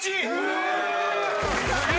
え！